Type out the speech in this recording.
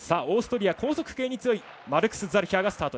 オーストリア、高速系に強いマルクス・ザルヒャー。